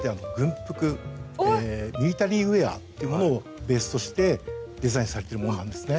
ミリタリーウエアっていうものをベースとしてデザインされてるものなんですね。